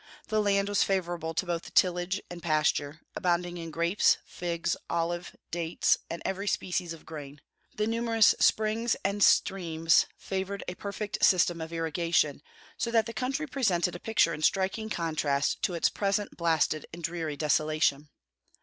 The land was favorable to both tillage and pasture, abounding in grapes, figs, olives, dates, and every species of grain; the numerous springs and streams favored a perfect system of irrigation, so that the country presented a picture in striking contrast to its present blasted and dreary desolation.